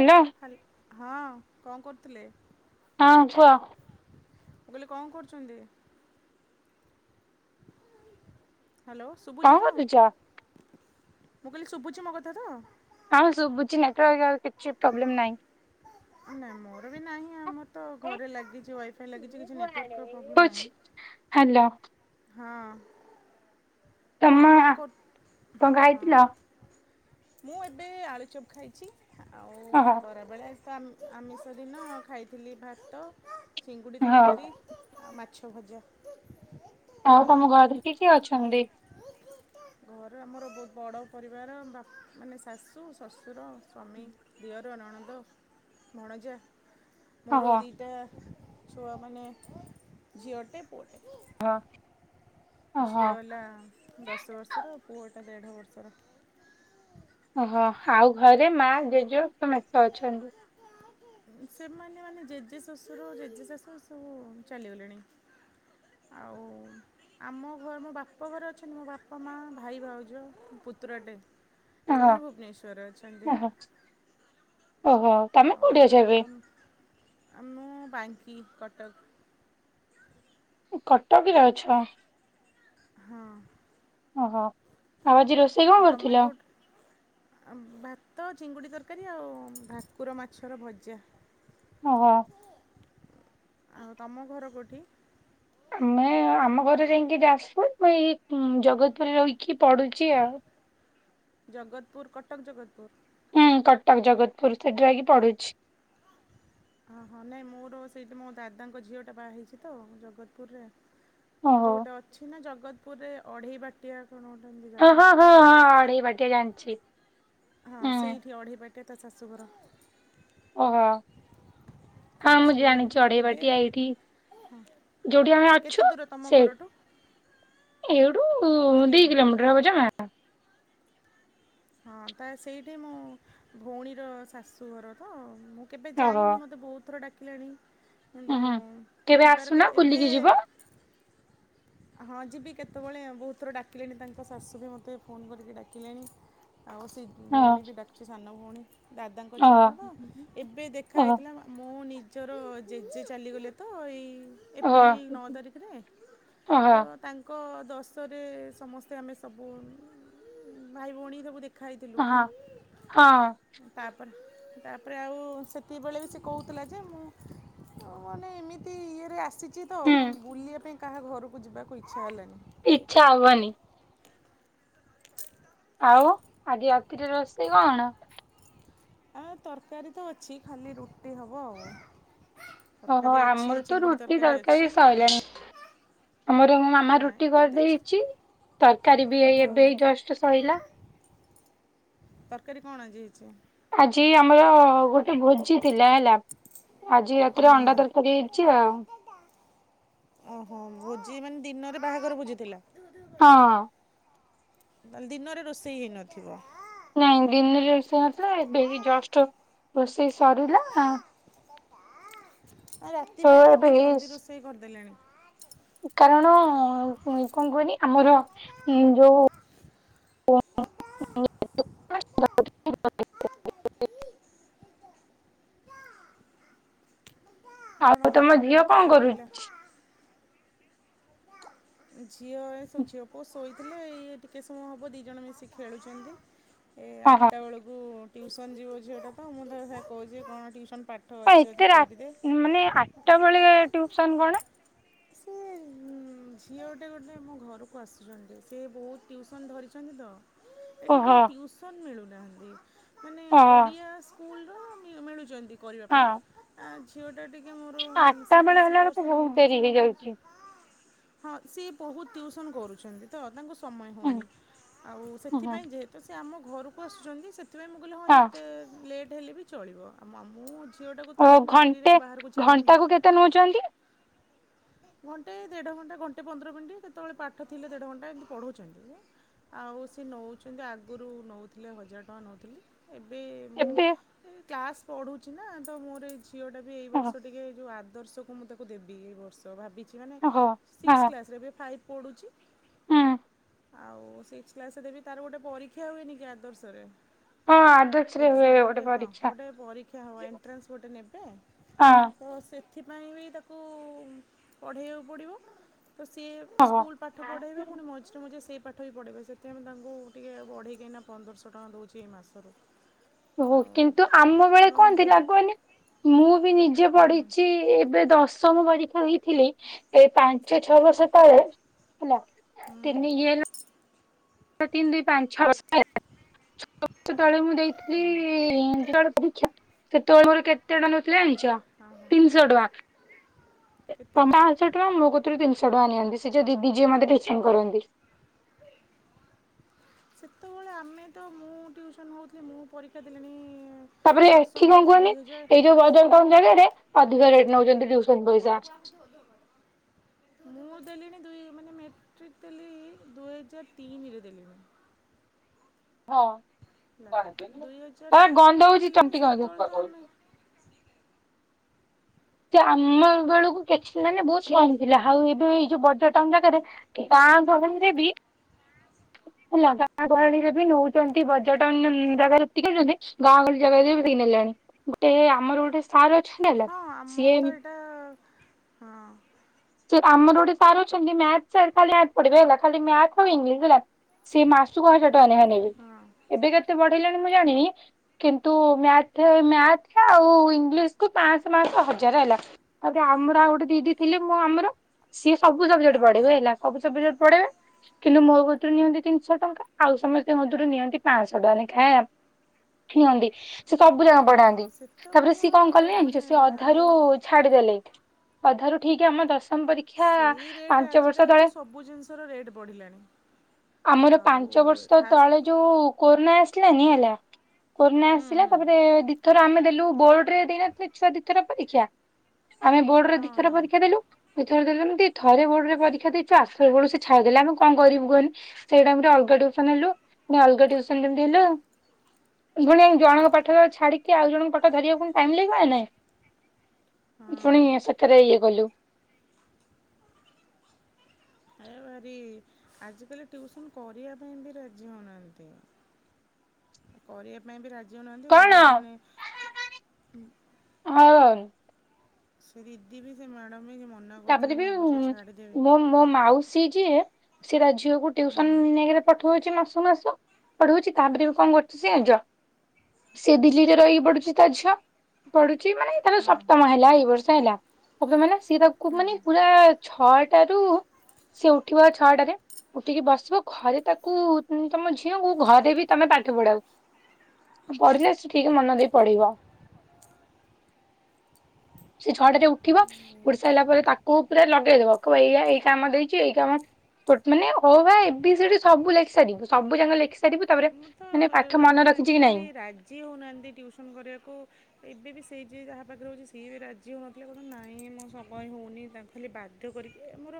ହେଲ। ହାଲ୍ ହଁ କ କରଥିଲେ? ହଁ କୁଅ? ମୁଁ କହିଲି କ କରୁଚନ୍ତି? ହାଲୋ କଣ ଶୁବୁଚିତ? କରୁଛ? ମୁଁ କଲି ଶୁଭୁଛି ମୋ କଥା ତ? ଅଁ ସବୁଚି ନେଟୱାର୍କ ଆଉ କିଛି ପ୍ରୋବ୍ଲେମ୍ ନାହିଁ। ନା ମୋର ବି ନାହିଁ ଆମ ତ ଘରେ ଲାଗିଛି, ୱାଇଫାଇ ଲାଗିଛି କିଛି ନେଟୱାର୍କର ପ୍ରୋବ୍ ନାହିଁ। ହାଲୋ। ହଁ। ମୁଁ ତମ କଲି କ କର୍ କଣ ହଁ। ଖାଇଥିଲ? ମୁଁ ଏବେ ଆଳୁଚପ ଖାଇଛି, ଆଉ ଓହୋ ଖରାବେଳେ ସମ୍ ଆମିଷ ଡିନ ଖାଇଥିଲି, ଭାତ ଚିଙ୍ଗୁଡ଼ି ହଉ ତରକାରୀ ଆ ମାଛ ଭଜା। ଆଉ ତମ ଘରେ କିଏ କିଏ ଅଛନ୍ତି? ଘରେ ଆମର ବହୁତ ବଡ଼ ପରିବାର ବା ମାନେ ଶାଶୁ, ଶଶୁର, ସ୍ୱାମୀ। ଦିଅର, ନଣନ୍ଦ, ଭଣଜା। ଓହୋ ମୋର ଦିଇଟା ଛୁଆ ମାନେ ଝିଅଟେ ପୁଅଟେ। ହଁ। ଓହୋ ଝିଅ ହେଲା ଦଶ ବର୍ଷର, ପୁଅଟା ଦେଢ଼ ବର୍ଷର। ଓହୋ ଆଉ ଘରେ ମା ଜେଜ ସମସ୍ତେ ଅଛନ୍ତି। ସେମାନେ ମାନେ ଜେଜେ ଶଶୁର ଜେଜେ ଶାଶ ସବୁ ଚାଲିଗଲେଣି। ଆଉ ଆମ ଘ ମୋ ବାପ ଘରେ ଅଛନ୍ତି ମୋ ବାପା, ମା, ଭାଇ, ଭାଉଜ, ପୁତୁରାଟେ। ଓହୋ ସେମାନେ ଭୁବନେଶ୍ୱରରେ ଅଛନ୍ତି ଓହୋ ଓହୋ ତମେ କୋଉଠି ଆଉ ଅଛ ଏବେ? ଆମ ଆମ ବାଙ୍କି କଟକ। କଟକରେ ଅଛ? ହଁ। ଓହୋ। ଆଉ ଆଜି ରୋଷେଇ କଣ ଆଉ ତମେ କରିଥିଲ? କୋଉଠୁ? ଭାତ, ଚିଙ୍ଗୁଡ଼ି ତରକାରୀ ଆଉ ଭାକୁର ମାଛର ଭଜା। ଓହ। ଆଉ ତମ ଘର କୋଉଠି? ମୁଁ ଆମ ଘର ଯାଇକି ଯାଜପୁର ମୁଁ ଏଇ ଜଗତପୁରରେ ରହିକି ପଡୁଛି ଆଉ ଜଗତପୁର କଟକ ଜଗତପୁର? ହୁଁ କଟକ ଜଗତପୁର ସେଠି ରହିକି ପଢୁଛି। ହଁ ହଁ ନାଇଁ ମୋର ସେଇଠି ମୋ ଦାଦାଙ୍କ ଝିଅଟା ବାହା ହେଇଛି ତ ଜଗତପୁରରେ। ସେ ଓହୋ ଯୋଉ ଗୋଟେ ଅଛି ନା ଜଗତପୁରରେ ଅଢେଇ ବାଟିଆ କଣ ଗୋଟେ ଏମିତି ଜାଗା? ହୁଁ ଆ ଅଢେଇ ବାଟି ହଁ ସେଇଠି ଅଢ଼େଇବାଟିରେ ତା ଶାଶୁଘର। ଓହୋ, ହଁ ମୁ ସେ ଜାଣିଛି ଏବେ ଆଢେଇବାଟି ଏଇଟି ଯୋଉଠି ଆମେ କେତେ ଅଛୁ ଦୂର ତମ ସେଇ ଘରଠୁ ଏଇଠୁ ଦି ସେଇଠି କିଲୋମିଟର ହବ ଜମା। ହଁ ତା ସେଇଠି ମୋ ଭଉଣୀର ଶାଶୁଘର ତ ମୁଁ କେବେ ଓହୋ ଯାଇନି ମୋତେ ବହୁତଥର ଡାକିଲେଣି ଉଁ କିନ୍ତୁ ହୁଁ। ଯିବାର ଆସୁନ କେବେ ଏବେ ବୁଲିକି ଯିବ ହଁ ଯିବି କେତେବେଳେ ଆଉ ବହୁତଥର ଡାକିଲେଣି ତାଙ୍କ ଶାଶୁ ବି ମୋତେ ଫୋନ କରିକି ଡାକିଲେଣି। ଆଉ ସେ ହଁ ଭଉଣୀ ବି ଡାକଛି ସାନ ଭଉଣୀ ଦାଦାଙ୍କ ଝିଅ ଓହୋ ଟା ତ ଏବେ ଦେଖା ଓହୋ ହେଇଥିଲା ମୁଁ ନିଜର ଜେଜେ ଚାଲିଗଲେ ତ ଏଇ ଓହୋ ଏପ୍ରିଲ ନଅ ତାରିଖରେ ତ ଓହୋ। ତାଙ୍କ ଦଶରେ ସମସ୍ତେ ଆମେ ସବୁ ଭାଇ ଭଉଣୀ ସବୁ ଦେଖ ଖାଇଥିଲୁ ହଁ ହଁ ତାପରେ ତାପରେ ଆଉ ସେତିକିବେଳେ ବି ସେ କହୁଥିଲା ଯେ ମୁଁ ହଉ ମାନେ ଏମିତି ଇଏରେ ଆସିଛି ତ ହୁଁ। ବୁଲିବା ପାଇଁ କାହା ଘରକୁ ଯିବାକୁ ଇଚ୍ଛା ହେଲାନି। ଇଛା ହବନି। [unintelligible] ଆଉ ଆଜି ରାତିରେ ରୋଷେଇ କଣ? ଆ ତରକାରୀ ତ ଅଛି ଖାଲି ରୁଟି ହେବ ଆଉ ଓହୋ ତରକାରୀ ଅଛି ଆମର ତ ଚିଙ୍ଗୁଡ଼ି ରୁଟି ତରକାରୀ ଅଛି। ସଇଲାଣି। ଆମର ମୋ ମାମା ନାଇଁ ରୁଟି ଏତେ କରିଦେଇଛି ତରକାରୀ ବି ହଁ ଏବେ ଏଇ ଜଷ୍ଟ ସରିଲା। ତରକାରୀ କଣ ଆଜି ହେଇଛି? ଆଜି ଆମର ଗୋଟେ ଭୋଜି ଥିଲା ହେଲା। ଆଜି ରାତିରେ ହଁ ହଁ। ଅଣ୍ଡା ତରକାରୀ ହେଇଛି ଆଉ ଓହୋ ଭୋଜି ମାନେ ଦିନରେ ବାହାଘର ଭୋଜିଥିଲା? ହଁ। ତାହେଲେ ଦିନରେ ରୋଷେଇ ହେଇନଥିବ? ନାଇଁ ଦିନରେ ରୋଷେଇ ନଥିଲା ଏବେ ଜଷ୍ଟ ରୋଷେଇ ସରିଲା ଆ ଆଉ ରାତି ତ ପାଇଁ ଏବେ ଏତେ ଜଲ୍ଦି ଏଇ- ରୋଷେଇ କରିଦେଲେଣି? କାରଣ କଣ କୁହନି ଆମର ଯୋଉ [unintelligible] ଆଉ ଆପଣଙ୍କ ତମ କଥାଟା ଝିଅ ଟିକେ କଣ କଟିଲା। କରୁଛି? ଝିଅ ଏ ସବୁ ଝିଅ ପୁଅ ଶୋଇଥିଲେ ଇଏ ଟିକେ ସମୟ ହେବ ଦୁଇ ଜଣ ମିଶିକି ଖେଳୁଛନ୍ତି। ଏ ଓହୋ ଆଠଟା ବେଳକୁ ଟ୍ୟୁସନ୍ ଯିବ ଝିଅଟା ତ ମୁଁ ତ କହୁଛି କଣ ଟିଉସନ୍ ପାଠ ହ ଅଛି ଯଦି ଏତେ ରା କରିଦେ। ମାନେ ଆଠଟା ବେଳେ ଟୁଇସନ୍ କଣ? ଝିଅ ଗୋଟେ ଗୋଟେ ମୋ ଘରକୁ ଆସୁଛନ୍ତି ସେ ବହୁତ ଟିଉସନ୍ ଧରିଛନ୍ତି ତ। ଏଠି ଟିକେ ଓହୋ ଟିଉସନ୍ ମିଳୁନାହାନ୍ତି ମାନେ ଓହୋ। ଓଡ଼ିଆ ସ୍କୁଲ ର ମିଳୁଛନ୍ତି କରିବା ହଁ ପାଇଁ? ଆ ଝିଅଟା ଟିକେ ମୋର ଆଠଟା ବେଳେ ସିବ-ବିି-ଏସ୍ଇ ହେଲା ବେଳକୁ କୋର୍ସ ନେଇ ବହୁତ ଡେରି ଇଂଲିଶ ମିଡ଼ିୟମ୍ ପଢ଼ୁଛି। ହେଇଯାଉଛି। ହଁ ସିଏ ବହୁତ ଟିଉସନ୍ କରୁଛନ୍ତି ତ ତାଙ୍କୁ ସମୟ ହୁଁ ହେଉନି ଆଉ ହୁଁ ସେଥିପାଇଁ ଯେ ତ ସେ ଆମ ଘରକୁ ଆସୁଛନ୍ତି ସେଥିପାଇଁ ମୁଁ କହିଲି ହଁ ଯେତେ ଲେଟ୍ ହେଲେ ବି ଚଳିବ ଆଉ ମୁଁ ଝିଅଟାକୁ ଓ ତ ଆଉ ଏତେ ଡେରିରେ ଘଣ୍ଟେ ବାହାରକୁ ଛାଡ଼ିବିନି ଘଣ୍ଟାକୁ କେତେ ନେଉଛନ୍ତି? ଘଣ୍ଟେ ଦେଢ଼ ଘଣ୍ଟା ଘଣ୍ଟେ ପନ୍ଦର ମିନିଟ୍ ଯେତେବେଳେ ପାଠ ଥିଲେ ଦେଢ଼ ଘଣ୍ଟା ଏମିତି ପଢ଼ଉଛନ୍ତି ଏ ଆଉ ସେ ନଉଛନ୍ତି ଆଗୁରୁ ନଉଥିଲେ ହଜାର ଟଙ୍କା ନଉଥିଲେ ଏବେ ମୁଁ ଏବେ ଏଇ କ୍ଲାସ୍ ପଢ଼ୁଛି ନା ତ ମୋର ଏଇ ଝିଅଟା ବି ଏଇ ହଁ ବର୍ଷ ଟିକେ ଯୋଉ ଆଦର୍ଶକୁ ମୁଁ ତାକୁ ଦେବି ଏଇ ବର୍ଷ ଭାବିଚି ଚି ମାନେ ଓହୋ ହଁ ସିକ୍ସ କ୍ଲାସରେ, ଏବେ ଫାଇଭ୍ ପଢ଼ୁଛି ହୁଁ ଆଉ ସିକ୍ସ କ୍ଲାସରେ ବି ତାର ଗୋଟେ ପରୀକ୍ଷା ହୁଏନି କି ଆଦର୍ଶରେ? ହଁ ଆଦର୍ଶ ରେ ହୁଏ ଏକ୍ଜାମ ଗୋଟେ ହଁ ପରୀକ୍ଷା। ଗୋଟେ ପରୀକ୍ଷା ହବ, ଏଣ୍ଟ୍ରାନ୍ସ ଗୋଟେ ନେବେ ହଁ ତ ସେଥିପାଇଁ ବି ତାକୁ ପଢ଼େଇବାକୁ ପଡ଼ିବ ତ ସିଏ ଓହୋ। ସ୍କୁଲ ପାଠ ପଢ଼େଇବେ, ପୁଣି ମଝିରେ ମଝିରେ ସେଇ ପାଠ ପାଠ ବି ପଢ଼େଇବେ। ସେଥିପାଇଁ ମୁଁ ତାଙ୍କୁ ଟିକେ ବଢ଼େଇକି ଏଇନା ପନ୍ଦରଶହ ଟଙ୍କା ଦଉଛି ଏଇ ମାସରୁ। ଓହୋ। ଆଉ କିନ୍ତୁ ଆମ ବେଳେ ତେଣୁ କଣ ଦେ ଥିଲା କୁହନି ମୁଁ ବି ନିଜେ ହୁଁ ପଢିଛି, ଏବେ ଦଶ ଦଶମ ପରୀକ୍ଷା ଦେଇଥିଲି, ଏଇ ପାଞ୍ଚ ଛଅ ବର୍ଷ ତଳେ ହେଲା। ତିନି ଇଏରେ ଏଇ ତିନ ଦୁଇ ପାଞ୍ଚ ଛଅ ବର୍ଷ [unintelligible] [inaudible] ତଳେ ମୁଁ ଦେଇଥିଲି [unintelligible] ପରୀକ୍ଷା ସେତେବେଳେ ବହୁତ ଛୋଟ ସେତେବେଳେ ମୋର କେତେ ଥିଲା ଜାଣିଛ, ହଁ ହଁ ତିନଶ ଟଙ୍କା। କେତେ ପାଆଁଶ ଟଙ୍କା, ମୋ କତୁରୁ ତିନିଶହ ଟଙ୍କା ନିଅନ୍ତି। ସେ ଯୋଉ ଦିଦି ଯିଏ ମତେ ଟ୍ୟୁସନ କରନ୍ତି। [inaudible] ସେତବଳେ ଆମେ ତ ମୁଁ ଟିଉସନ୍ ହଉଥିଲି, ମୁଁ ପରୀକ୍ଷା ଦେଲିଣି ତାପରେ ଦଶମ ଏଠି କଣ ପରୀକ୍ଷା କୁହନି, ଦୁଇହଜାର ଏଇ ଯୋଉ ବଜେଟ କମ ଜାଗାରେ ଅଧିକ ରେଟ୍ ନଉଛନ୍ତି ଟିଉସନ ପଇସା। [unintelligible] ମୁଁ ଦେଲିଣି ଦୁଇ ମାନେ ମେଟ୍ରିକ୍ ଦେଲି ଦୁଇହଜାର ତିନିରେ ଦେଲିଣି। ହେଲା ଦୁଇ ହଜାର ହଁ ତିନିରୁ ଗନ୍ଧଉଛି ଦେଲିଣି ଚମ୍ପି ସେତେବେଳେ ତ ଆମେ [unintelligible] ସେ ଆମ ବେଳକୁ କିଛି ମାନେ ବହୁତ କମ ଥିଲା ଆଉ ଏବେ ଏଇ ଯୋଉ ବଟ୍ ଟ ଟାଉନ୍ ଜାଗାରେ ପାଆଁଶ ହେଲେ ବି ଲଗା ଗହଣୀରେ ବି ନଉଛନ୍ତି ବଜେଟ ଟନ ଜାଗାରେ ଯେତିକି ନେଉଛନ୍ତି ଗାଁ ଗହଳି ଜାଗାରେ ବି ସେତିକି ନେଲାଣି। ଗୋଟେ ଆମର ଗୋଟେ ସାର୍ ଅଛନ୍ତି ନା ହଁ ଆମର ତ ଏଇଟା ହଁ। ଆମର ଗୋଟେ ସାର୍ ଅଛନ୍ତି, ମ୍ୟାଥ ସାର ଖାଲି ମ୍ୟାଥ ପଢ଼େଇବେ ହେଲା, ଖାଲି ମ୍ୟାଥ ଆଉ ଇଂଲିଶ ହେଲା ସିଏ ମାସୁକୁ ହଜାର ଟଙ୍କା ନେଖା ନେବେ। ହଁ ଏବେ କେତେ ବଢେଇଲେଣି ମୁଁ ଜାଣିନି କିନ୍ତୁ ମ୍ୟାଥ ମ୍ୟାଥ ଆଉ ଇଂଲିଶକୁ ପାଆଁଶ ପାଆଁଶ ହଜାରେ ହେଲା। ତାପରେ ଆମର ଆଉ ଗୋଟେ ଦିଦି ଥିଲେ ମ ଆମର ସିଏ ସବୁ ସବଜେକ୍ଟ ପଢ଼େଇବେ ହେଲା, ସବୁ ସବଜେକ୍ଟ ପଢେଇବେ କିନ୍ତୁ ମୋ କତୁରୁ ନିଅନ୍ତି ତିନିଶ ଟଙ୍କା, ଆଉ ସମସ୍ତଙ୍କ କତିରୁ ନିଅନ୍ତି ପାଆଁଶ ଟଙ୍କା ନେଖା ହେଲା ନିଅନ୍ତି, ସେ ସବୁ ଯାକ ହଁ ପଢାନ୍ତି। ତାପରେ ସେତେବେଳେ ସିଏ କଣ କଲେ ଜାଣିଚୁ ମାନେ ସିଏ ଆଉ ଅଧାରୁ ଛାଡିଦେଲେ, ଅଧାରୁ ଠିକ ଆମ ଦଶମ ପରୀକ୍ଷା ସେଇ ରେଟ୍, ପାଞ୍ଚ ବର୍ଷ ଆଜିକାଲି ତଳେ ତ ସବୁ ଜିନିଷର ରେଟ୍ ବଢିଲାଣି ଆମର ପାଞ୍ଚ ବର୍ଷ ତଳେ ଯୋଉ କୋରୋନା ଆସିଲାନି ହେଲା, କୋରୋନା ହୁଁ ଆସିଲା ହୁଁ ତାପରେ ଦି ଥର ଆମେ ଦେଲୁ ବୋର୍ଡରେ ଦେଇ ନଥିଲେ ଛୁଆ ଦିଥର ପରୀକ୍ଷା, ଆମେ ବୋର୍ଡରେ ହଁ ଦିଥର ହଁ ପରୀକ୍ଷା ଦେଲୁ, ଦି ଥର ଦେଲୁ ଯେମତି ଥରେ ବୋର୍ଡ଼ରେ ପରୀକ୍ଷା ଦେଇଛୁ, ଆସିଲା ବେଳକୁ ସେ ଛାଡିଦେଲେ, ଆମେ କଣ କରିବୁ କହନି? ସେଇ ଟାଇମରେ ଅଲଗା ଟ୍ୟୁସନ ହେଲୁ, ପୁଣି ଅଲଗା ଟ୍ୟୁସନ ଯେମତି ହେଲୁ ଫୁଣି ଆମେ ଜଣଙ୍କ ପାଠ ଛାଡିକି ଆଉ ଜଣଙ୍କ ପାଠ ଧରିବାକୁ ପୁଣି ଟାଇମ ଲାଗିବ ନା ନାଇଁ? ହଁ ଫୁଣି ସେତେରେ ଇଏ କଲୁ। ଏ ଭାରି, ଆଜିକାଲି ଟ୍ୟୁସନ କରିଆ ପାଇଁ ବି ରାଜି ହଉନାହାଁନ୍ତି। [inaudible] କରିଆ ପାଇଁ ବି ରାଜି ହଉନାହାଁନ୍ତି, କଣ ବହୁତ ମାନେ ହଁ। ସେ ଦିଦି ବିି ସେ ମ୍ୟାଡ଼ମ୍ ବି ମନା ତାପରେ କରିଥିଲେ ବି ମୁଁ ଏ ବର୍ଷ ଛାଡ଼ିଦେବି। ମୋ ମୋ ମାଉସି ଯିଏ ସିଏ ତା ଝିଅକୁ ଟଉସନ ହଁ ନେଇକିରି ପଠଉଛି ମାସ ମାସ। ପଢଉଛି ତାପରେ ବି କଣ କରୁଛି ସେ ଜାଣିଛ ସେ ଦିଲ୍ଲୀରେ ରହିକି ପଡୁଛି ତା ଝିଅ। ପଢୁଛି ମାନେ ତାର ହଁ ସପ୍ତମ ହେଲା ଏଇ ବର୍ଷ ହେଲା ଏବତ ମାନେ ସିଏ ତା କୁ ହଁ ମାନେ ପୁରା ଛଅଟାରୁୁ ସେ ଉଠିବ ଛଅଟାରେ ଉଠିକି ବସିବ ଘରେ ତାକୁ ତମ ଝିଅକୁ ଘରେ ବି ତମେ ପାଠ ପଢାଉ ପଢିଲେ ସେ ଠିକ୍ ମନ ଦେଇକି ପଢିବ। ସେ ଛଟାରେ ଉଠିବ ଉଠି ସାରିଲା ପରେ ତାକୁ ପୁରା ଲଗେଇଦବ କହିବ ଏଇଆ ଏଇ କାମ ଦେଇଛି ଏଇ କାମ ମାନେ ଅ ଆ ଏ ବି ସି ଡି ସବୁ ଲେଖି ସାରିବୁ ସବୁ ସାରିବୁ ସବୁଯାକ ଲେଖିସାରିବୁ ତାପରେ ମୁଁ ତ ମାନେ ମନେ ଏବେ ରଖିଛି କି ନାଇଁ ଆଜିକାଲି ରାଜି ହେଉନାହାନ୍ତି ଟିଉସନ୍ କରିବାକୁ। ଏବେ ବି ସେଇ ଯିଏ ଯାହା ପାଖରେ ହଉଛି ସିଏ ବି ରାଜି ହେଉନଥିଲେ କହୁଛନ୍ତି ନାଇଁ ମୋ ସମୟ ହେଉନି ତା ଖାଲି ବାଧ୍ୟ କରିକି ଏ ମୋର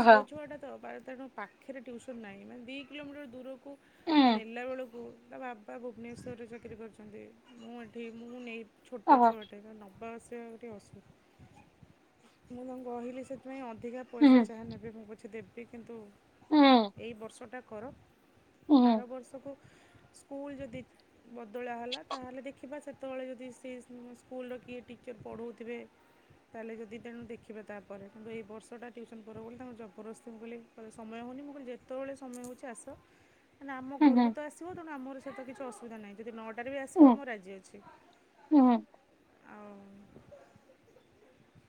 ଅହ ଝିଅ ଛୁଆଟା ତ ପା ତେଣୁ ପା ପାଖରେ ଟ୍ୟୁସନ୍ ନାହିଁ ମାନେ ଦି କିଲୋମିଟର ଦୂରକୁ ଉଁ ନେଲା ବେଳକୁ ତା ବାବା ଭୁବନେଶ୍ୱରରେ ଚାକିରୀ କରିଛନ୍ତି ମୁଁ ଏଠି ମୁଁ ନେଇ ଛୋଟ ଅହ ଛୁଆଟେ ନା ନବା ଆସିବା କରିବାକୁ ଟିକେ ଅସୁ ମୁଁ ତାଙ୍କୁ କହିଲି ସେଥିପାଇଁ ଅଧିକା ପଇସା ଉଁ ଯାହା ନେବେ ମୁଁ ପ ପଛେ ଦେବି କିନ୍ତୁ ଉଁ ଏଇ ବର୍ଷଟା କର ଉଁ ଆର ବର୍ଷକୁ ସ୍କୁଲ୍ ଯଦି ବଦଳା ହେଲା ତା ହେଲେ ଦେଖିବା ସେ ସେତେବେଳେ ଯଦି ସେ ସ୍କୁଲର କିଏ ଟିଚର୍ ପଢ଼ଉଥିବେ। ତାହେଲେ ଯଦି ତେଣୁ ଦେଖିବା ତାପରେ କିନ୍ତୁ ଏ ବର୍ଷଟା ଟିଉସନ୍ କର ବୋଲି ତାଙ୍କୁ ଜବରଦସ୍ତିଙ୍କୁ ମୁଁ କହିଲି କହିଲେ ସମୟ ହେଉନି ମୁଁ କହିଲି ଯେତେବେଳେ ସମୟ ହେଉଛି ଆସ। ହ ତାନେ ଆମ ଘରକୁ ତ ଆସିବ ତେଣୁ ଆମର ସହିତ କିଛି ଅସୁବିଧା ନାହିଁ ଯଦି ନ ଟାରେ ବି ଆସିବ ଉଁ ମୁଁ ରାଜି ଅଛି। ଉଁ ଆଉ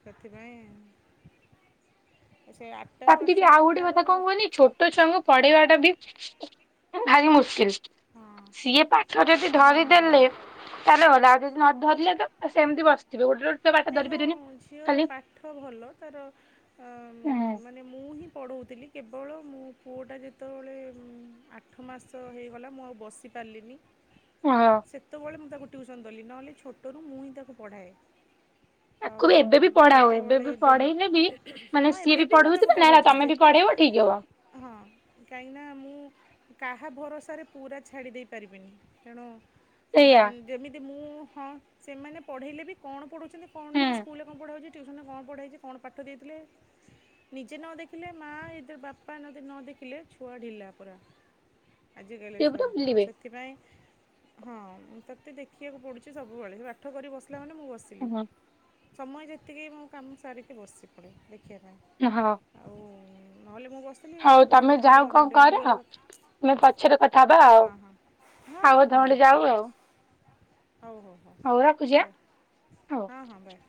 ସେଥିପାଇଁ। ସେୟା ଆ ତାପରେ ଦିଦି ଆଉ ଗୋଟେ କଥା କଣ କୁହନି ଛୋଟ ଛୁଆଙ୍କୁ ପଢେଇବାଟା ବି ଭାରି ମୁସ୍କିଲ। ହଁ ସିଏ ପାଠରେ ବି ଯଦି ହଁ ହଁ ଧରିଦେଲେ ନାଇଁ [unintelligible] ଯଦି ନ ଧରିଲେ ତ ସେମିତି ବସିଥିବେ ଗୋଟେ ଛୁଆ ପାଠ ଏ ଧରି ମୋ ପାରିବେନି ଝିଅର ଖାଲି ପାଠ ଭଲ ତାର ଆଁ ଉଁ ମାନେ ମୁଁ ହିଁ ପଢ଼ଉଥିଲି କେବଳ ମୋ ପୁଅଟା ଯେତେବେଳେ ଆଠ ମାସ ହେଇଗଲା ମୁଁ ଆଉ ବସି ପାରିଲିନି। ହଁ। ସେତେବେଳେ ମୁଁ ତାକୁ ଟ୍ୟୁସନ୍ ଦେଲି ନହେଲେ ଛୋଟରୁ ମୁଁ ହିଁ ତାକୁ ପଢ଼ାଏ। ତାକୁ ଆଉ ବି ଏବେ ବି ପଢା ହୁଏ ଏବେ ଯେତେବେଳେ ବି ଡେଲି ପଢେଇଲେ ବି ମାନେ ହଁ ସିଏ ଏବେ ବି ମୁଁ ତାକୁ ପଢଉଥିବେ ନା ପଢଉଛି ତମେ ବି ଯେତେ ପଢେଇବ ଠିକ ହବ ହଁ କାହିଁକିନା ମୁଁ କାହା ଭରସାରେ ପୁରା ଛାଡ଼ି ଦେଇ ପାରିବିନି ତେଣୁ ସେଇଆ ମାନ ଯେମିତି ମୁଁ ହଁ ସେମାନେ ପଢ଼େଇଲେ ବି କଣ ପଢ଼ୁଛନ୍ତି କଣ ହୁଁ ନାହିଁ ସ୍କୁଲରେ କଣ ପଢ଼ା ହୋଉଛି ଟ୍ୟୁସନରେ କଣ ପଢ଼ାଇଛି କଣ ପାଠ ଦେଇଥିଲେ ନିଜେ ନ ଦେଖିଲେ ମା ଆଇଦ୍ର ବାପା ଯଦି ନ ଦେଖିଲେ ଛୁଆ ଢିଲା ପୁରା। ଆଜି କାଲି ସିଏ ଛୁଆ ପୁରା ଆଉ ସେଥି ବୁଲିବେ ସେଥିପାଇଁ ହଁ ତୋତେ ଦେଖିବାକୁ ପଡୁଛି ସବୁବେଳେ ପାଠ କରି ବସ ବସିଲା ମାନେ ମୁଁ ବସିଲି ହୁଁ ସମୟ ଯେତିକି ମୋ କାମ ସାରିକି ବସି ପଡ଼େ ଦେଖିବା ପାଇଁ। ହଁ ଆଉ ନହେଲେ ମୁଁ ବସିଥିଲି ଏଇ ହଉ ପୁଅଟା ତମେ ଯେତେବେଳେ ଯାଅ ଜନ୍ମ କଣ କର ଡେଲିଭରି ପାଖ ଆମେ ପଛରେ କଥା ହବା ଆଉ ହଁ ହଁ ହଁ ହଁ ଆଉ ହଁ ଅଧଘଣ୍ଟେ ହଁ ଯାଉ ଠିକ ଆଉ ଅଛି ହଉ ହଉ। ହଉ ରଖୁଛି ଆଁ ବାଏ ହଉ। ହଁ ହଁ ବାଏ।